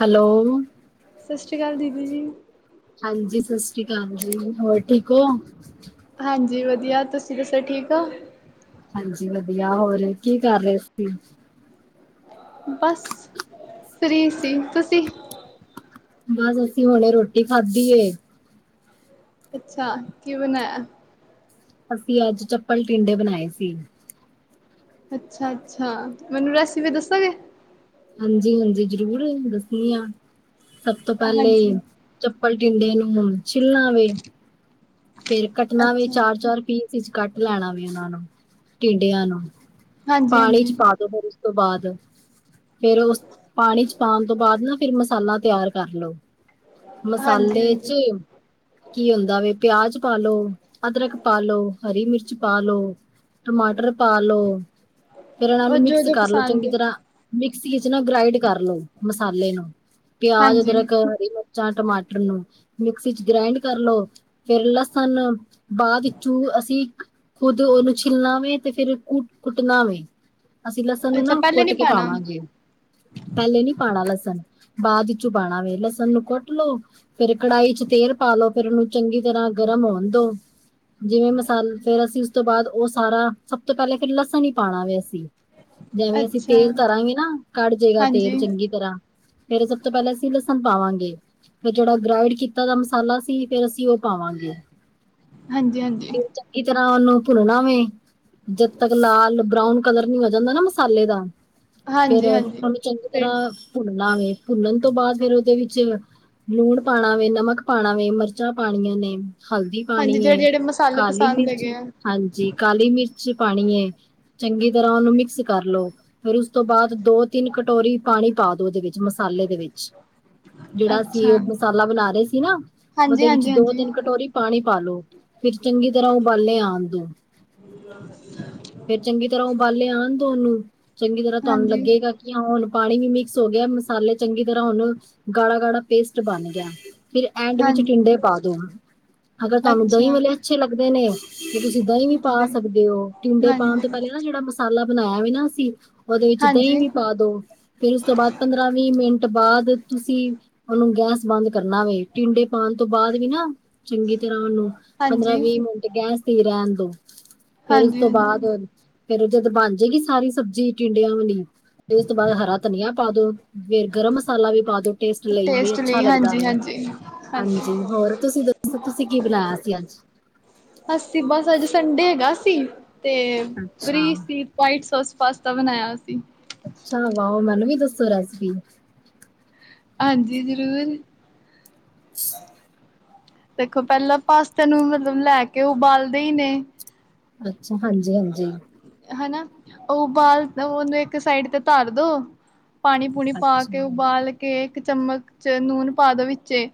Hello. ਸਤਿ ਸ਼੍ਰੀ ਅਕਾਲ ਦੀਦੀ ਜੀ, ਹਾਂਜੀ, ਸਤਿ ਸ੍ਰੀ ਅਕਾਲ ਜੀ, ਹੋਰ ਠੀਕ ਹੋ? ਹਾਂਜੀ ਵਧੀਆ, ਤੁਸੀਂ ਦੱਸੋ ਠੀਕ ਹੋ? ਹਾਂਜੀ ਵਧੀਆ, ਹੋਰ ਕੀ ਕਰ ਰਹੇ ਸੀ? ਬਸ, ਫਰੀ ਸੀ, ਤੁਸੀਂ? ਬਸ ਅਸੀਂ ਹੁਣੇ ਰੋਟੀ ਖਾਧੀ ਏ। ਅੱਛਾ, ਕੀ ਬਣਾਇਆ? ਅਸੀਂ ਅੱਜ ਚੱਪਲ-ਟਿੰਡੇ ਬਣਾਏ ਸੀ। ਅੱਛਾ-ਅੱਛਾ, ਮੈਨੂੰ ਰੈਸਿਪੀ ਦੱਸੋਗੇ? ਹਾਂਜੀ-ਹਾਂਜੀ ਜਰੂਰ, ਦੱਸਣੀ ਆ, ਸਭ ਤੋਂ ਪਹਿਲੇ ਹਾਂਜੀ, ਚੱਪਲ-ਟਿੰਡੇ ਨੂੰ ਛਿਲਣਾ ਵੇ। [inaudible] ਫੇਰ ਕੱਟਣਾ ਵੀ ਅੱਛਾ ਚਾਰ-ਚਾਰ ਪੀਸ ਇਚ ਕੱਟ ਲੈਣਾ ਵੇ ਉਹਨਾ ਨੂੰ, ਟਿੰਡਿਆਂ ਨੂੰ। ਹਾਂਜੀ ਪਾਣੀ ਹਾਂਜੀ, 'ਚ ਪਾ ਦੋ, ਫਿਰ ਉਸ ਤੋਂ ਬਾਅਦ। ਫਿਰ ਉਸ, ਪਾਣੀ 'ਚ ਪਾਣ ਤੋਂ ਬਾਅਦ ਨਾ ਫਿਰ ਮਸਾਲਾ ਤਿਆਰ ਕਰ ਲਓ। ਹਾਂਜੀ ਮਸਾਲੇ 'ਚ, ਹਾਂਜੀ। ਕੀ ਹੁੰਦਾ ਵੇ? ਪਿਆਜ ਪਾ ਲੋ, ਅਦਰਕ ਪਾ ਲੋ, ਹਰੀ ਮਿਰਚ ਪਾ ਲੋ। ਟਮਾਟਰ ਪਾ ਲਓ, ਫਿਰ ਇਹਨਾਂ ਉਹ ਨੂੰ ਜੋ ਮਿਕਸ ਜੋ ਕਰਲੋ ਪਸੰਦ ਚੰਗੀ ਏ, ਤਰ੍ਹਾਂ। ਮਿਕਸੀ ਇਚ ਨਾ ਗਰਾਇੰਡ ਕਰ ਲਓ, ਮਸਾਲੇ ਨੂੰ, ਪਿਆਜ, ਹਾਂਜੀ ਅਦਰਕ, ਹਰੀ ਮਿਰ ਚਾਰ ਟਮਾਟਰ ਨੂੰ, ਮਿਕਸੀ 'ਚ ਗਰਾਇੰਡ ਕਰ ਲਓ। ਫਿਰ ਲਸਣ ਬਾਅਦ ਚੂ ਅਸੀਂ ਖੁਦ ਉਹਨੂੰ ਛਿਲਨਾ ਵੇ। ਤੇ ਫਿਰ ਕੁਟ ਕੁੱਟਣਾ ਵੇ, ਅਸੀਂ ਲਸਣ ਨੂੰ ਅੱਛਾ ਨਾ ਪਹਿਲੇ ਕੁੱਟ ਨੀ ਕੇ ਪਾਣਾ? ਪਾਵਾਂਗੇ। ਪਹਿਲੇ ਨੀ ਪਾਣਾ ਲਸਣ, ਬਾਅਦ ਵਿੱਚੋਂ ਪਾਣਾ ਵੇ, ਲਸਣ ਨੂੰ ਕੁੱਟ ਲੋਓ। ਫਿਰ ਕੜਾਈ 'ਚ ਤੇਲ ਪਾ ਲਓ, ਫਿਰ ਉਹਨੂੰ ਚੰਗੀ ਤਰ੍ਹਾਂ ਗਰਮ ਹੋਣ ਦੋ, ਜਿਵੇਂ ਮਸਾਲ ਫੇਰ ਅਸੀਂ ਤੋਂ ਬਾਅਦ ਉਹ ਸਾਰਾ, ਸਭ ਤੋਂ ਪਹਿਲੇ ਫਿਰ ਲਸਣ ਹੀ ਪਾਣਾ ਵੇ ਅਸੀਂ। ਜਿਵੇਂ ਅਸੀਂ ਅੱਛਾ, ਤੇਲ ਧਰਾਂਗੇ ਨਾ, ਕੱਢ ਜੇਗਾ ਹਾਂਜੀ, ਤੇਲ ਚੰਗੀ ਤਰ੍ਹਾਂ। ਫੇਰ ਸਭ ਤੋਂ ਪਹਿਲਾਂ ਅਸੀਂ ਲਸਣ ਪਾਵਾਂਗੇ, ਫਿਰ ਜਿਹੜਾ ਗਰਾਇੰਡ ਕੀਤਾ ਦਾ ਮਸਾਲਾ ਸੀ ਫੇਰ ਅਸੀਂ ਓ ਪਾਵਾਂਗੇ, ਹਾਂਜੀ ਹਾਂਜੀ, ਤੇ ਚੰਗੀ ਤਰ੍ਹਾਂ ਉਹਨੂੰ ਭੁਨਣਾ ਵੇ। ਜਦ ਤੱਕ ਲਾਲ ਬਰਾਉਨ ਕਲਰ ਨੀ ਹੋ ਜਾਂਦਾ ਨਾ ਮਸਾਲੇ ਦਾ। ਫਿਰ ਹਾਂਜੀ ਹਾਂਜੀ। ਉਹਨੂੰ ਚੰਗੀ ਫਿਰ ਤਰ੍ਹਾਂ ਭੁੰਨਨਾ ਵੇ, ਭੁੰਨਣ ਤੋਂ ਬਾਅਦ ਫਿਰ ਉਹਦੇ ਵਿੱਚ ਲੂਣ ਪਾਣਾ ਵੇ ਨਮਕ ਪਾਣਾ ਵੇ ਮਰ ਚਾ ਪਾਣੀਆਂ ਨੇ ਹਲਦੀ ਪਾਣੀ ਹਾਂਜੀ ਜਿਹੜੇ ਏ ਜਿਹੜੇ ਮਸਾਲੇ ਕਾਲੀ ਪਸੰਦ ਮਿਰਚ, ਹੈਗੇ ਆ, ਹਾਂਜੀ। ਕਾਲੀ ਮਿਰਚ ਪਾਣੀ ਏ ਚੰਗੀ ਤਰ੍ਹਾਂ ਉਹਨੂੰ ਮਿਕਸ ਕਰ ਲਓ। ਫਿਰ ਉਸ ਤੋਂ ਬਾਅਦ ਦੋ-ਤਿੰਨ ਕਟੋਰੀ ਪਾਣੀ ਪਾ ਦੋ ਉਹਦੇ ਵਿੱਚ, ਮਸਾਲੇ ਦੇ ਵਿੱਚ। ਜਿਹੜਾ ਅਸੀਂ ਅੱਛਾ। ਉਹ ਮਸਾਲਾ ਬਣਾ ਰਹੇ ਸੀ ਨਾ, ਹਾਂਜੀ ਉਹਦੇ ਵਿੱਚ ਹਾਂਜੀ ਹਾਂਜੀ, ਦੋ-ਤਿੰਨ ਕਟੋਰੀ ਪਾਣੀ ਪਾ ਲੋ ਫਿਰ ਚੰਗੀ ਤਰ੍ਹਾਂ ਉਬਾਲੇ ਆਣ ਦੋ। ਫੇਰ ਚੰਗੀ ਤਰ੍ਹਾਂ ਉਬਾਲੇ ਆਣ ਦੋ ਓਨੂੰ, ਚੰਗੀ ਤਰ੍ਹਾਂ ਤੁਹਾਨੂੰ ਹਾਂਜੀ ਲੱਗੇਗਾ। ਹੁਣ ਪਾਣੀ ਵੀ ਮਿਕਸ ਹੋ ਗਿਆ ਮਸਾਲੇ ਚੰਗੀ ਤਰ੍ਹਾਂ ਹੁਣ ਗਾੜਾ- ਗਾੜਾ ਪੇਸਟ ਬਣ ਗਿਆ। ਫਿਰ ਐਂਡ ਵਿੱਚ ਹਾਂਜੀ। ਟਿੰਡੇ ਪਾ ਦੋ, ਅਗਰ ਤੁਹਾਨੂੰ ਦਹੀਂ ਅੱਛਾ ਵਾਲੇ ਅੱਛੇ ਲੱਗਦੇ ਨੇ। ਤੇ ਤੁਸੀਂ ਦਹੀਂ ਵੀ ਪਾ ਪੁੱਛਦੇ ਸਕਦੇ ਹੋ, ਟਿੰਡੇ ਹਾਂਜੀ ਪਾਣ ਤੋਂ ਪਹਿਲੇ ਨਾ ਜਿਹੜਾ ਮਸਾਲਾ ਬਣਾਇਆ ਵੀ ਨਾ ਅਸੀਂ ਉਹਦੇ ਵਿੱਚ ਦਹੀਂ ਹਾਂਜੀ ਵੀ ਪਾ ਦੋ। ਫਿਰ ਉਸ ਤੋਂ ਬਾਅਦ ਪੰਦਰਾਂ ਵੀਹ ਮਿੰਟ ਬਾਅਦ ਤੁਸੀਂ ਉਹਨੂੰ ਗੈਸ ਬੰਦ ਕਰਨਾ ਵੇ ਟਿੰਡੇ ਪਾਣ ਤੋਂ ਬਾਅਦ ਵੀ ਨਾ ਚੰਗੀ ਤਰ੍ਹਾਂ ਉਹਨੂੰ ਪੰਦਰਾਂ ਹਾਂਜੀ ਵੀਹ ਮਿੰ ਗੈਸ ਤੇ ਈ ਰਹਿਣ ਦੋ ਫੇਰ ਇਸ ਹਾਂਜੀ ਤੋਂ ਹਾਂਜੀ ਬਾਅਦ ਫੇਰ ਜਦ ਬਣ ਜਾਏਗੀ ਸਾਰੀ ਸਬਜ਼ੀ ਟਿੰਡਿਆਂ ਵਾਲੀ, ਫਿਰ ਏਸ ਤੋਂ ਬਾਅਦ ਹਰਾ ਧਨੀਆ ਪਾ ਦੋ। ਫੇਰ ਗਰਮ ਮਸਾਲਾ ਵੀ ਪਾ ਦੋ, ਟੇਸਟ ਲਈ ਇਹ ਅੱਛਾ ਲਈ ਲੱਗਦਾ ਹਾਂਜੀ ਹੈ। ਹਾਂਜੀ ਹਾਂਜੀ, ਹੋਰ ਤੁਸੀਂ ਦੱਸੋ ਤੁਸੀਂ ਕੀ ਬਣਾਇਆ ਸੀ ਅੱਜ? ਅਸੀ ਬਸ ਅੱਜ ਸੰਡੇ ਹੈਗਾ ਸੀ, ਤੇ ਅੱਛਾ ਫਰੀ ਸੀ। ਵਾਈਟ ਸੋਸ ਪਾਸਤਾ ਬਣਾਇਆ ਸੀ। ਅੱਛਾ ਵਾਓ! ਮੈਨੂੰ ਵੀ ਦੱਸੋ ਰੈਸਪੀ। ਹਾਂਜੀ, ਜ਼ਰੂਰ। [unintelligible] ਦੇਖੋ, ਪਹਿਲਾਂ ਪਾਸਤੇ ਨੂੰ ਮਤਲਬ ਲੈ ਕੇ ਉਬਾਲਦੇ ਹੀ ਨੇ। ਅੱਛਾ, ਹਾਂਜੀ, ਹਾਂਜੀ। ਹਨਾ, ਉਬਾਲ ਉਹਨੂੰ ਇੱਕ ਸਾਈਡ ਤੇ ਧਰ ਦੋ। ਪਾਣੀ ਪੂਣੀ ਪਾ ਕੇ, ਅੱਛਾ ਉਬਾਲ ਕੇ, ਇੱਕ ਚਮਚ ਨੂਨ ਪਾ ਦੋ ਵਿੱਚੇ।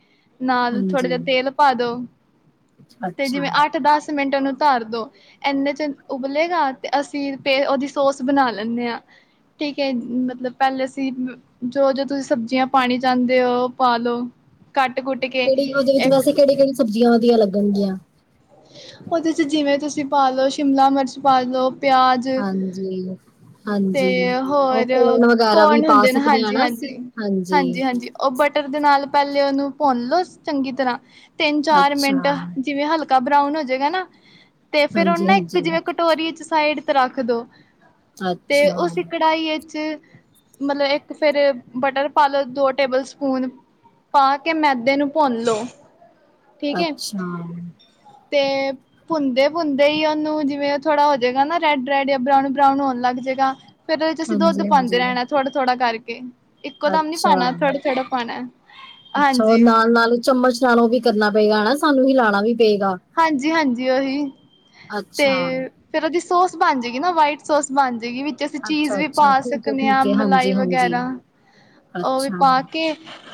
ਨਾਲ ਥੋੜ੍ਹਾ ਹਾਂਜੀ ਜਿਹਾ ਤੇਲ ਪਾ ਦੋ, ਤੇ ਅੱਛਾ ਜਿਵੇਂ ਅੱਠ ਦਸ ਮਿੰਟਾਂ ਨੂੰ ਧਰ ਦੋ ਐਂਨੇ ਚ ਉਬਲੇਗਾ, ਤੇ ਅਸੀਂ ਫਿਰ ਉਹਦੀ ਸੋਸ ਬਣਾ ਲੈਂਨੇ ਆਂ। ਠੀਕ ਹੈ ਮਤਲਬ ਪਹਿਲੇ ਅਸੀਂ ਜੋ ਜੋ ਤੁਸੀਂ ਸਬਜ਼ੀਆਂ ਪਾਣੀ ਚਾਹੁੰਦੇ ਹੋ ਪਾ ਲਓ। ਕੱਟ-ਕੁੱਟ। ਕਿਹੜੀ ਉਹਦੇ ਵਿੱਚ ਵੈਸੇ ਕਿਹੜੀ - ਕਿਹੜੀ ਸਬਜ਼ੀਆਂ ਵਧੀਆ ਲੱਗਣਗੀਆਂ? ਉਹਦੇ ਚ ਜਿਵੇਂ ਤੁਸੀਂ ਪਾ ਲਓ ਸ਼ਿਮਲਾ ਮਿਰਚ ਪਾ ਲਓ, ਪਿਆਜ਼ ਹਾਂਜੀ, ਹਾਂਜੀ ਉਹ ਹੋਰ ਕੋਨ ਵਗੈਰਾ ਵੀ ਕੋਰਨ ਪਾ ਹੁੰਦੇ ਨੇ ਸਕਦੇ ਹਾਂ ਹਾਂਜੀ ਨਾ ਅਸੀਂ? ਹਾਂਜੀ ਹਾਂਜੀ। ਉਹ ਬਟਰ ਦੇ ਨਾਲ ਪਹਿਲੇ ਉਹਨੂੰ ਭੁੰਨ ਲੋ ਚੰਗੀ ਤਰ੍ਹਾਂ, ਤਿੰਨ ਚਾਰ ਮਿੰਟ ਅੱਛਾ ਜਿਵੇਂ ਹਲ। ਕਾ ਬਰਾਊਨ ਹੋ ਜਾਏਗਾ ਨਾ, ਤੇ ਫਿਰ ਉਹ ਹਾਂਜੀ ਨਾ ਇੱਕ ਹਾਂਜੀ ਜਿਵੇਂ ਕਟੋਰੀ ਚ ਸਾਈਡ ਰੱਖ ਦੋ ਤੇ ਅੱਛਾ ਉਸੀ ਕੜਾਈ ਇੱਚ ਮਤਲਬ ਇੱਕ ਫਿਰ ਬਟਰ ਪਾਲੋ, ਦੋ ਟੇਬਲ ਸਪੂਨ। ਪਾ ਕੇ, ਮੈਦੇ ਨੂੰ ਭੁੰਨਲੋ ਅੱਛਾ। ਤੇ ਭੁਨਦੇ - ਭੁਨਦੇ ਹੀ ਉਹਨੂੰ ਜਿਵੇਂ ਥੋੜਾ ਹੋ ਜਾਏਗਾ ਨਾ ਰੈਡ - ਰੈਡ ਜਾਂ ਬਰਾਊਨ - ਬਰਾਊਨ ਹੋਣ ਲੱਗ ਜਾਏਗਾ ਫੇਰ ਉਹਦੇ ਚ, ਅਸੀਂ ਦੱਧ ਹਾਂਜੀ ਹਾਂਜੀ ਪਾਂਦੇ ਰਹਿਣਾ ਥੋੜ੍ਹਾ- ਥੋੜ੍ਹਾ ਕਰਕੇ ਇੱਕੋ ਦਮ ਅੱਛਾ ਨਈਪਾਣਾ, ਥੋੜਾ- ਥੋੜਾ ਪਾਣਾ, ਅੱਛਾ ਉਹ ਹਾਂਜੀ। ਨਾਲ ਨਾਲ ਚਮਚ ਨਾਲ ਉਹ ਵੀ ਕਰਨਾ ਪਏਗਾ ਨਾ, ਹਨਾ ਸਾਨੂੰ ਹਿਲਾਣਾ ਵੀ ਪਏਗਾ। ਹਾਂਜੀ - ਹਾਂਜੀ ਓਹੀ, ਤੇ ਅੱਛਾ ਫੇਰ, ਉਹਦੀ ਸੋਸ ਬਣ ਜਾਏਗੀ ਨਾ, ਵਾਈਟ ਸੋਸ ਬਣ ਜਾਏਗੀ, ਵੀ ਤੇ ਅਸੀਂ ਚੀਜ਼ ਅੱਛਾ ਵੀ ਪਾ ਅੱਛਾ ਠੀਕ ਹੈ ਸਕਦੇ ਹਾਂ, ਠੀਕ ਹੈ ਮਲਾਈ ਹਾਂਜੀ ਹਾਂਜੀ ਵਗੈਰਾ, ਉਹ ਵੀ ਅੱਛਾ ਪਾ ਕੇ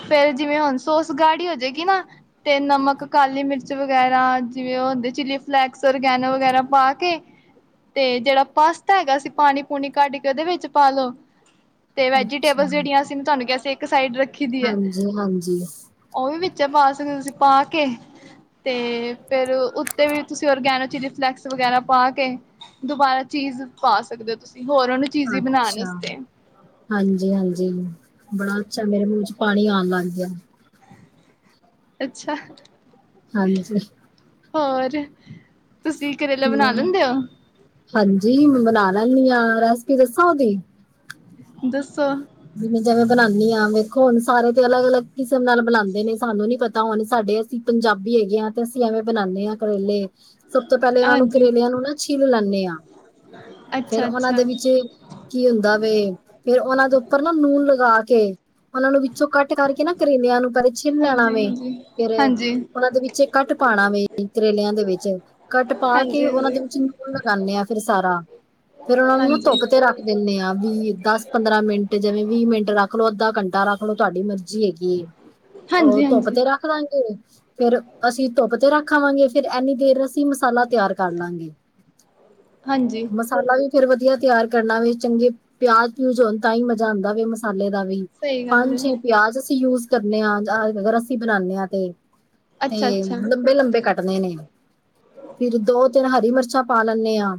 ਫੇਰ ਜਿਵੇਂ, ਹੁਣ ਸੋਸ ਗਾੜੀ ਹੋ ਜਾਏਗੀ ਨਾ, ਤੇ ਨਮਕ ਕਾਲੀ ਮਿਰਚ ਵਗੈਰਾ ਜਿਵੇਂ ਉਹ ਹੁੰਦੇ, ਚਿੱਲੀ ਫਲੇੈਕਸ, ਔਰਗੈਨੋ ਵਗੈਰਾ ਪਾ ਕੇ ਤੇ ਜਿਹੜਾ, ਪਾਸਤਾ ਹੈਗਾ ਸੀ, ਪਾਣੀ - ਪੂਣੀ ਕੱਢ ਕੇ ਉਹਦੇ ਵਿੱਚ ਪਾ ਲੋ ਤੇ ਅੱਛਾ ਵੈਜੀਟੇਬਲਸ ਜਿਹੜੀਆਂ, ਅਸੀਂ ਤੁਹਾਨੂੰ ਕਿਹਾ ਸੀ, ਇੱਕ ਸਾਈਡ ਰੱ ਹਾਂਜੀ, ਹਾਂਜੀ। ਓ ਵੀ ਵਿਚੇ ਪਾ ਸਕਦੇ, ਤੂਸੀ ਪਾ ਕੇ ਤੇ ਫੇਰ ਉਤੇ ਵੀ, ਤਸੀ ਔਰਗੈਨੋ ਚਿਲੀ, ਫਲੇੈਕਸ ਵਗੈਰਾ ਪਾ ਕੇ ਦੁਬਾਰਾ ਚੀਜ਼ ਪਾ ਸਕਦੇ ਤੁਸੀ, ਹੋਰ ਓਨੂੰ ਚੀਜੀ਼ ਬਨਾਨ ਅੱਛਾ ਅਸਤੇ ਹਾਂਜੀ, ਹਾਂਜੀ ਬੜਾ ਅੱਛਾ, ਮੇਰੇ ਮੂੰਹ ਚ ਪਾਣੀ ਆਨ ਲਾੱਗ ਗਿਆ ਅੱਛਾ। ਹਾਂਜੀ। ਹੋਰ, ਤੂਸੀ ਹਾਂਜੀ, ਬਨਾ ਲੈਨੀ ਆਂ, ਰੈਸਪੀ ਦੱਸਾਂ ਓਦੀ? ਦੱਸੋ ਜਿਵੇਂ- ਜਿਵੇਂ ਬਨਾਨੀ ਆਂ ਵੇਖੋ ਹੁਨ, ਸਾਰੇ ਤੇ ਅਲੱਗ -ਅਲੱਗ ਕਿਸਮ ਨਾਲ ਬਨਾਂਦੇ ਨੇ, ਸਾਨੂੰ ਨੀ ਪਤਾ ਹੁਨ ਸਾਡੇ ਪੰਜਾਬੀ ਹੈਗੇ ਆ, ਤੇ ਅਸੀ ਐਵੇਂ ਬਨਾਨੇ ਆਂ ਕਰੇਲੇ ਸਬ ਤੋ ਪਹਿਲੇ ਇਨ੍ਹਾਂ ਨੂੰ, ਹਾਂਜੀ ਕਰੇਲੇਆਂ ਨੂੰ ਨਾ ਛਿੱਲ ਲੈਂਨੇ ਆਂ ਫੇਰ ਅੱਛਾ ਓਨਾਂ ਅੱਛਾ ਦੇ ਵਿਚ ਕੀ ਹੁੰਦਾ ਵੇ, ਫੇਰ ਓਨਾਂ ਤੋ ਉਪਰ ਨਾ ਨੂਨ ਲਗਾ ਕੇ, ਓਨਾਂ ਨੂੰ ਵਿੱਚੋਂ ਕਾੱਟ ਕਰਕੇ, ਨਾ ਕਰੇਲੇਆਂ ਨੂੰ ਪਰੇ ਛਿੱਲ ਲੈਣਾ ਹਾਂਜੀ ਵੇ, ਹਾਂਜੀ ਫੇਰ ਹਾਂਜੀ ਓਨਾਂ ਦੇ ਵਿੱਚੇ ਕਟ ਪਾਣਾ ਵੇ, ਕਰੇਲੇਆਂ ਦੇ ਵਿਚ ਕੱਟ ਪਾ ਕੇ, ਓਨਾ ਹਾਂਜੀ ਹਾਂਜੀ ਦੇ ਵਿਚ ਨੂਨ ਲਗਾਂਨੇ ਆਂ ਫਿਰ ਸਾਰਾ, ਫੇਰ ਓਨਾ ਨੂੰ ਨਾ ਹਾਂਜੀ ਧੁੱਪ ਤੇ ਰੱਖ ਦਿੱਨੇ ਆਂ ਵੀਹ, ਦੱਸ, ਪੰਦਰਾਂ ਮਿੰਟ ਜਿਵੇਂ, ਵੀਹ ਮਿੰਟ ਰੱਖ ਲੋ, ਅੱਧਾ ਘੰਟਾ ਰੱਖ ਲੋ ਤੁਹਾਂਡੀ ਮਰਜ਼ ਜੀ ਹੈਗੀ ਤੇ, ਓ ਹਾਂਜੀ ਧੁੱਪ ਹਾਂਜੀ ਤੇ ਰੱਖ ਦਾਂਗੇ ਫੇਰ ਅਸੀ ਧੁੱਪ ਤੇ ਰੱਖਾਵਾਂਗੇ, ਫੇਰ ਏਨੀ ਦੇਰ ਅਸੀ ਮਸਾਲਾ ਤਿਆਰ ਕਰ ਲਾਂਗੇ [inaudible] [inaudible] ਹਾਂਜੀ। ਮਸਾਲਾ ਵੀ, ਫੇਰ ਵਧੀਆ ਤਿਆਰ ਕਰਨਾ ਵੇ, ਚੰਗੇ ਪਿਆਜ -ਪਿਊਜ ਹੋਨ, ਤਾਂ ਈ ਮਜਾ ਆਂਦਾ ਵੇ ਮਸਾਲੇ ਦਾ ਵੀ ਸਹੀ ਗੱਲ ਹਾਂਜੀ ਹੈ ਪਿਆਜ ਅਸੀ ਯੂਜ਼ ਕਰਨੇ ਆਂ, ਅ ਅਗਰ ਅਸੀ ਬਨਾਨੇ ਆ ਤੇ ਅੱਛਾ ਤੇ ਅੱਛਾ ਲੰਬ-ਲੰਬੇ ਕਾੱਟਨੇ ਨੇ ਫਿਰ ਦੋ -ਤਿੰਨ ਹਰੀ ਮਿਰਚਾਂ, ਪਾ ਲੈਨੇ ਆਂ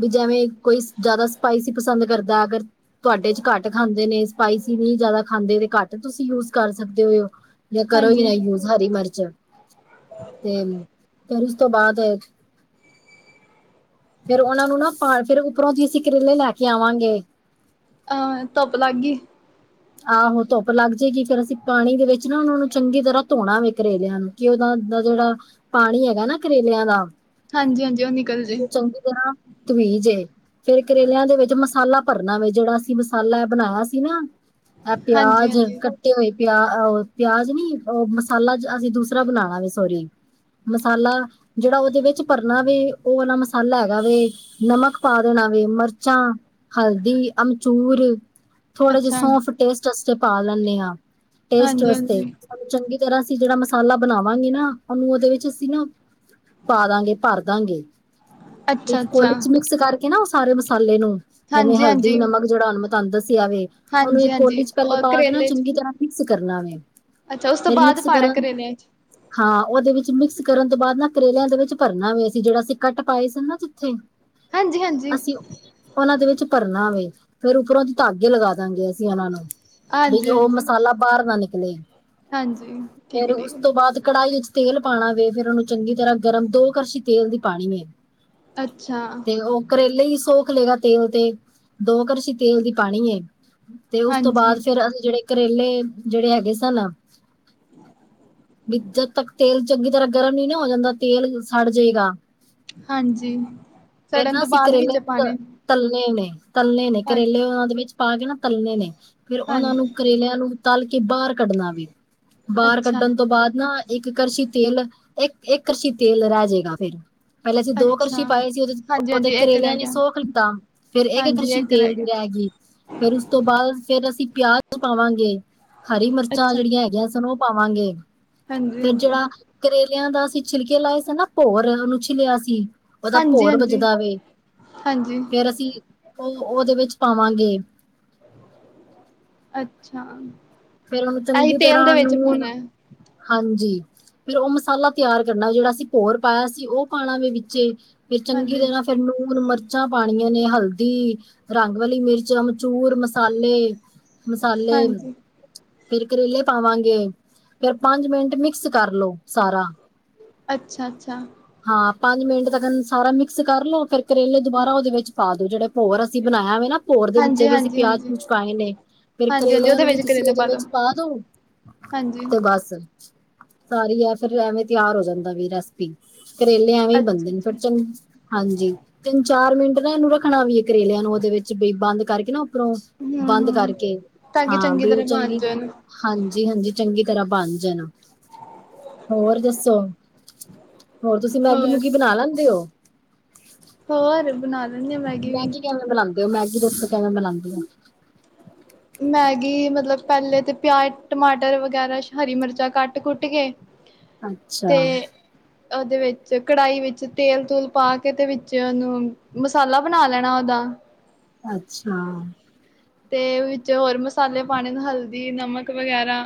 ਵੀ ਜੇਵੇਂ ਕੋਈ, ਜਿਆਦਾ ਸਪਾਈਸੀ ਪਸੰਦ ਕਰਦਾ, ਅਗਰ ਤੁਆਡੇ ਚ ਘੱਟ ਖਾਂਦੇ ਨੇ ਸਪਾਈਸੀ ਨਈ ਜਿਆਦਾ ਖਾਂਦੇ ਤੇ ਘੱਟ ਤੁਸੀ ਸੀ ਯੂਜ਼ ਕਰ ਸਕਦੇ ਓ, ਯਾ ਕਰੋ ਈ ਹਾਂਜੀ ਨਾ ਯੂਜ਼ ਹਰੀ ਮਰਚ, ਤੇ, ਫੇਰ ਉਸ ਤੋ ਬਾਦ ਫੇਰ ਓਨਾ ਨੂੰ ਨਾ ਫਾੜ ਕੇ, ਉਪਰੋਂ ਦੀ ਅਸੀ ਕਰੇਲੇ ਲੈ ਕੇ ਆਵਾਂਗੇ ਅ, ਧੁੱਪ ਲੱਗ ਗੀ ਆਹੋ ਧੁੱਪ ਲੱਗ ਜੇਗੀ ਫੇਰ ਅਸੀ ਪਾਣੀ ਦੇ ਵਿੱਚ ਨਾ ਓਨਾਂ ਨੂੰ ਚੰਗੀ ਤਰਾਂ ਧੋਣਾ ਵੇ ਕਰੇਲੇਆਂ ਨੂੰ। ਕਿ ਓਦਾ ਜੇੜਾ ਪਾਣੀ ਹੈਗਾ ਨਾ ਕਰੇਲੇਆਂ ਦਾ ਹਾਂਜੀ ਹਾਂਜੀ ਉਹ ਨਿਕਲ ਜੇ ਚੰਗੀ ਤਰਾਂ ਧੱਵੀ ਜੇ, ਫੇਰ ਕਰੇਲੇਆਂ ਦੇ ਵਿਚ ਮਸਾਲਾ ਭਰਨਾ ਵੇ ਜੇੜਾ ਅਸੀ ਮਸਾਲਾ ਐ ਬਨਾਏਆ ਸੀ ਨਾ ਐ ਹਾਂਜੀ ਪਿਆਜ ਕ ਹਾਂਜੀ ਕੱਟੇ ਹੋਏ ਪੇਆ ਪਿਆਜ ਨੀ ਓ ਮਸਾਲਾ ਅਸੀ ਦੂਸਰਾ ਬਣਾ ਲਾਗੇ ਸੋਰੀ। ਮਸਾਲਾ ਜੇੜਾ ਓਦੇ ਵਿਚ ਭਰਨਾ ਵੇ, ਓ ਵਾਲਾ ਮਸਾਲਾ ਹੈਗਾ ਵੇ ਨਮਕ ਪਾ ਦੇਣਾ ਵੇ ਮਰਚਾਂ, ਹਲਦੀ, ਅਮਚੂਰ ਥੋੜੇ ਜੇ ਅੱਛਾ ਸੌਂਫ਼ ਟੇਸਟ ਅਸਤੇ ਪਾ ਲੈਂਨੇ ਆਂ ਟੇਸਟ ਹਾਂਜੀ ਵਸਤੇ ਹਾਂਜੀ ਚੰਗੀ ਤਰਾਂ ਅਸੀ ਜੇੜਾ ਮਸਾਲਾ ਬਨਾਵਾਂਗੇ ਨਾ, ਓਨੂੰ ਓਦੇ ਵਿਚ ਅਸੀ ਨਾ ਪਾ ਦਾਂਗੇ ਭਰ ਦਾਂਗੇ, ਅੱਛਾ ਇਕ ਅੱਛਾ ਕੋਲੀ ਚ ਮਿਕਸ ਕਾਰਕੇ ਨਾ ਓ ਸਾਰੇ ਮਸਾਲੇ ਨੂੰ ਜਿਵੇਂ ਹਾਂਜੀ ਹਲਦੀ, ਹਾਂਜੀ ਨਮਕ ਜੇੜਾ ਹੁਣ ਮੈਂ ਤੂਆਨੂੰ ਦੱਸੇਆ ਵੇ, ਓਨੂੰ ਹਾਂਜੀ ਇਕ ਹਾਂਜੀ ਕੋਲੀ ਚ ਪੈਲੇ ਔਰ ਪਾ ਕੇ ਨਾ ਕਰੇਲੇ 'ਚ ਚੰਗੀ ਤਰਾਂ ਮਿਕਸ ਕਰਨਾ ਵੇ, ਅੱਛਾ ਉਸ ਤੋਂ ਫੇਰ ਬਾਅਦ ਮਿਕਸ ਪਾਉਣਾ ਕਰਨ ਕਰੇਲਿਆਂ 'ਚ ਹਾਂ ਓਦੇ ਵਿਚ ਮਿਕਸ ਕਰਨ ਤੋ ਬਾਦ ਨਾ ਕਰੇਲੇਆਂ ਦੇ ਵਿਚ ਭਰਨਾ ਵੇ, ਅਸੀ ਜੇੜਾ ਅਸੀ ਕੱਟ ਪਾਏ ਸਨ ਨਾ ਜਿੱਥੇ ਹਾਂਜੀ ਹਾਂਜੀ ਅਸੀ ਓਨਾਂ ਦੇ ਵਿਚ ਭਰਨਾ ਵੇ, ਫੇਰ ਉਪਰੋਂ ਦੀ ਧਾੱਗੇ ਲਗਾ ਦਾਂ ਗੇ ਅ ਅਸੀ ਓਨਾਂ ਨੂੰ ਬੀ ਹਾਂਜੀ ਹਾਂਜੀ ਓ ਮਸਾਲਾ ਬਾਹਰ ਨਾ ਨਿਕਲੇ ਹਾਂਜੀ ਠੀਕ ਫੇਰ ਹੈ ਉਸ ਠੀਕ ਤੋ ਹੈ ਬਾਦ ਕੜਾਹੀਏ ਚ ਤੇਲ ਪਾਣਾ ਵੇ ਫੇਰ ਓਨੂੰ ਚੰਗੀ ਤਰਾਂ ਗਰਮ ਦੋ ਕਰਸ਼ੀ ਤੇਲ ਦੀ ਪਾਣੀ ਏ ਅੱਛਾ। ਤੇ ਓ ਕਰੇਲੇ ਈ ਸੋਖ ਲੇਗਾ ਤੇਲ ਤੇ, ਦੋ ਕਰਸੀ਼ ਤੇਲ ਦੀ ਪਾਣੀ ਏ ਤੇ ਉਸ ਤੋਂ ਹਾਂਜੀ ਬਾਅਦ ਫੇਰ ਅਸੀਂ ਜਿਹੜੇ ਕਰੇਲੇ ਜਿਹੜੇ ਹੈਗੇ ਸਨ। ਵੀ ਜਦ ਤੱਕ ਤੇਲ ਚੰਗੀ ਤਰ੍ਹਾਂ ਗਰਮ ਨੀ ਨਾ ਹੋ ਜਾਂਦਾ ਤੇਲ ਸੜ ਜੇ ਗਾ ਹਾਂਜੀ, ਸੜਨ ਨਾ ਤੋਂ ਅਸੀਂ ਬਾਅਦ ਕਰੇਲੇ ਵਿੱਚ ਤ- ਪਾਂਨਾ ਤਲਨੇ ਨੇ ਤਲਨੇ ਨੇ ਕਰੇਲੇ ਉਹਨਾਂ ਦੇ ਵਿੱਚ ਪਾ ਕੇ ਨਾ ਤਲਨੇ ਨੇ ਫਿਰ ਉਹਨਾਂ ਨੂੰ ਹਾਂਜੀ ਕਰੇਲਿਆਂ ਨੂੰ ਤਲ ਕੇ ਬਾਹਰ ਕੱਢਣਾ ਵੀ ਬਾਹਰ ਅੱਛਾ ਕੱਢਣ ਤੋਂ ਬਾਦ ਨਾ ਇੱਕ ਕਰਸ਼ੀ ਤੇਲ ਇੱਕ-ਇੱਕ ਕਰਸ਼ੀ ਤੇਲ ਰਹਿ ਜੇਗਾ ਫੇਰ ਪਹਿਲੇ ਅਸੀਂ ਦੋ ਅੱਛਾ ਕਰਸ਼ੀ ਪਾਏ ਸੀ ਹਾਂਜੀ ਉਹਦੇ-ਉਹਦੇ ਹਾਂਜੀ ਇੱਕ ਰਹਿ ਕਰੇਲਿਆਂ ਨੇ ਗਿਆ ਸੋਖ ਲਿਤਾ ਫੇਰ ਇਕ ਹਾਂਜੀ ਕਰਸ਼ੀ ਇੱਕ ਤੇਲ ਰਹਿ ਦੀ ਗਿਆ ਰਹਿਗੀ ਫੇਰ ਉਸ ਤੋਂ ਬਾਅਦ ਫੇਰ ਅਸੀਂ ਪਿਆਜ਼ ਪਾਵਾਂਗੇ ਹਰੀ ਮਿਰਚਾਂ ਅੱਛਾ ਜਿਹੜੀਆਂ ਹੈਗੀਆਂ ਸਨ ਉਹ ਪਾਵਾਂਗੇ ਹਾਂਜੀ ਫੇਰ ਹਾਂਜੀ ਜਿਹੜਾ ਕਰੇਲਿਆਂ ਦਾ ਅਸੀਂ ਛਿਲਕੇ ਲਾਏ ਸੀ ਨਾ ਭੋਰ ਉਹਨੂੰ ਛਿੱਲਿਆ ਸੀ ਉਹਦਾ ਹਾਂਜੀ ਭੋਰ ਹਾਂਜੀ ਵੱਜਦਾ ਵੇ, ਹਾਂਜੀ ਫੇਰ ਅਸੀਂ ਉਹ ਉਹਦੇ ਵਿੱਚ ਪਾਵਾਂਗੇ। ਅੱਛਾ ਫੇਰ ਉਹਨੂੰ ਅਸੀਂ ਚੰਗੀ ਤੇਲ ਦੇ ਤਰ੍ਹਾਂ ਵਿੱਚ ਨੂਨ ਪਾਉਣਾ ਹਾਂਜੀ ਫੇਰ ਉਹ ਮਸਾਲਾ ਤਿਆਰ ਕਰਨਾ ਜਿਹੜਾ ਅਸੀਂ ਭੋਰ ਪਾਇਆ ਸੀ ਉਹ ਪਾਣਾ ਵੇ ਵਿੱਚੇ ਫਿਰ ਚੰਗੀ ਹਾਂਜੀ ਤਰਾ ਫੇਰ ਲੂਨ ਮਿਰਚਾਂ ਪਾਣੀਆਂ ਨੇ ਹਲਦੀ ਰੰਗ ਵਾਲੀ ਮਿਰਚ ਚੂਰ ਮਸਾਲੇ-ਮਸਾਲੇ ਹਾਂਜੀ ਫੇਰ ਕਰੇਲੇ ਪਾਵਾਂਗੇ ਫੇਰ ਪੰਜ ਮਿੰਟ ਮਿਕਸ ਕਰਲੋ ਸਾਰਾ ਅੱਛਾ-ਅੱਛਾ ਹਾਂ ਪੰਜ ਮਿੰਟ ਤੱਕ ਸਾਰਾ ਮਿਕਸ ਕਰ ਲਓ ਫੇਰ ਕਰੇਲੇ ਦੁਬਾਰਾ ਉਹਦੇ ਵਿੱਚ ਪਾ ਦੋ ਜਿਹੜੇ ਭੋਰ ਅਸੀਂ ਬਣਾਇਆ ਵੇ ਨਾ ਭੋਰ ਦੇ ਵਿੱਚ ਵੀ ਅਸੀਂ ਹਾਂਜੀ-ਹਾਂਜੀ, ਪਿਆਜ ਹਾਂਜੀ। ਪੂਆਜ ਪਾਏ ਨੇ ਫਿਰ ਹਾਂਜੀ-ਹਾਂਜੀ, ਕਰੇਲਿਆਂ ਉਹਦੇ ਨੂੰ ਵੀ ਵਿੱਚ ਤੁਸੀਂ ਕਰੇਲੇ ਇਹਦੇ ਦੋ, ਵਿਚ ਪਾ ਦੇਓ ਹਾਂਜੀ, ਤੇ ਬਸ ਸਾਰੀ ਆ ਫਿਰ ਐਵੇਂ ਤਿਆਰ ਹੋ ਜਾਂਦਾ ਵੀ ਰੈਸਪੀ ਕਰੇਲੇ ਐਵੇਂ ਹੀ ਬਣਦੇ ਨੇ ਫਿਰ ਅੱਛਾ-ਅੱਛਾ, ਚੰ ਹਾਂਜੀ ਤਿੰਨ ਚਾਰ ਮਿੰਟ ਨਾ ਇਹਨੂੰ ਰੱਖਣਾ ਵੀ ਐ ਕਰੇਲਿਆਂ ਨੂੰ ਉਹਦੇ ਵਿੱਚ ਬ ਬੰਦ ਕਰਕੇ ਨਾ ਉੱਪਰੋਂ ਬੰਦ ਹੂੰ-ਹੂੰ। ਕਰਕੇ ਤਾਂ ਕਿ ਹਾਂ ਵੀ ਉਹ ਤਰ੍ਹਾਂ ਬਣ ਚੰਗੀ ਜਾਣ, ਹਾਂਜੀ-ਹਾਂਜੀ ਚੰਗੀ ਤਰ੍ਹਾਂ ਬਨ ਜਾਣ, ਹੋਰ ਦੱਸੋ ਹੋਰ ਤੁਸੀਂ ਮੈਗੀ ਹੋਰ? ਮੂਗੀ ਬਨਾ ਲੈਂਦੇ ਓ। ਹੋਰ ਬਨਾ ਲੈ ਮੈਗੀ ਕਿਵੇਂ ਬਨਾਂਦੇ ਓ ਮੈਗੀ ਦੱਸੋ ਕਿਵੇਂ ਬਨਾਂਦੇ ਓ। ਮੈਗੀ ਮਤਲਬ ਪੈਲੇ ਤੇ ਪਿਆਜ ਟਮਾਟਰ ਵਗੈਰਾ ਹਰੀ ਮਿਰਚਾਂ ਕੱਟ ਕੁੱਟ ਕੇ ਤੇ ਅੱਛਾ, ਓਦੇ ਵਿੱਚ ਕੜਾਹੀ ਵਿੱਚ ਤੇਲ ਤੂਲ ਪਾ ਕੇ ਤੇ ਵਿੱਚ ਓਨੂੰ ਮਸਾਲਾ ਬਨਾ ਲੈਨਾ ਔਦਾ ਅੱਛਾ ਤੇ ਵਿੱਚ ਹੋਰ ਮਸਾਲੇ ਪਾਨੇ ਨੇ ਹਲਦੀ, ਨਮਕ ਵਗੈਰਾ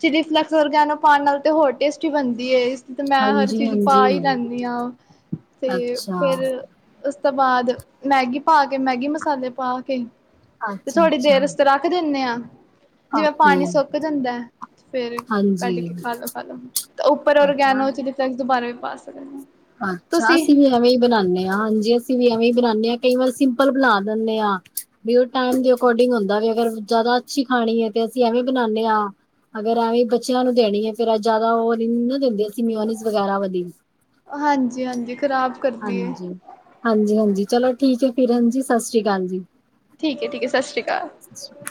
ਚਿਲੀ ਫਲੈਕਸ ਓਰਗੈਨੋ ਪਾਨ ਨਾਲ ਤੇ ਹੋਰ ਟੇਸਟੀ ਬਨਦੀ ਏ ਇਸ ਤੇ ਮੈਂ ਹਰ ਹਾਂਜੀ, ਚੀਜ਼ ਪਾ ਈ ਹਾਂਜੀ, ਲੈਂਨੀ ਆਂ ਤੇ ਅੱਛਾ, ਫੇਰ ਉਸ ਤੋਂ ਬਾਦ ਮੈਗੀ ਪਾ ਕੇ ਮੈਗੀ ਮਸਾਲੇ ਪਾ ਕੇ ਤੇ ਅੱਛਾ, ਥੋੜ੍ਹੀ ਅੱਛਾ, ਦੇਰ ਅਸਤੇ ਰੱਖ ਦਿੰਨੇ ਆਂ ਜਿਵੇਂ ਓਕੇ, ਪਾਨੀ ਸੁੱਕ ਜਾਂਦਾ। ਫੇਰ ਕੱਢ ਹਾਂਜੀ, ਕੇ ਖਾਲੋ-ਖਾਲੋ, ਤੇ ਉੱਪਰ ਅੱਛਾ। ਔਰਗੈਨੋ ਵਿਚ ਤੇ ਫਿਰ ਦੋਬਾਰਾ ਵੀ ਪਾ ਸਕਦੇ ਆਂ। ਅੱਛਾ, ਅਸੀਂ ਵੀ ਏ ਐਵੇਂ ਹੀ ਬਨਾਨੇ ਆਂ ਹਾਂਜੀ ਅਸੀਂ ਵੀ ਐਵੇਂ ਈ ਬਨਾਨੇ ਆਂ ਕਈ ਵਾਰ ਸਿੰਪਲ ਬਨਾ ਲੈਂਨੇ ਆਂ। ਵੀ ਓਹ ਟਾਈਮ ਦੇ ਅਕੋਰਡਿੰਗ ਹੁੰਦਾ ਅਗਰ ਜ਼ਿਆਦਾ ਅੱਛੀ ਖਾਣੀ ਐ ਤੇ ਅਸੀਂ ਐਵੇਂ ਬਨਾਨੇ ਆਂ। ਅਗਰ ਐਵੇਂ ਬੱਚਿਆਂ ਨੂੰ ਦੇਨੀ ਏ ਫਿਰ ਜ਼ਿਆਦਾ ਓ ਨੀ ਨਾ ਦਿੰਦੇ ਅਸੀ ਮਿਓਨਿਜ਼ ਵਗੈਰਾ ਵਾਲੀ। ਹਾਂਜੀ-ਹਾਂਜੀ ਖ਼ਰਾਬ ਕਰਦੀ ਏ। ਹਾਂਜੀ-ਹਾਂਜੀ ਚਲੋ ਠੀਕ ਐ ਫਿਰ ਹਾਂਜੀ ਸਸ ਰੀ ਕਾਲ ਜੀ। ਠੀਕ ਐ-ਠੀਕ ਐ ਸਸ ਰੀ ਕਾਲ। [inaudible]